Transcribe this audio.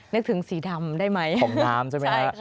นึกถึงสีดำได้ไหมใช่ค่ะของน้ำใช่ไหม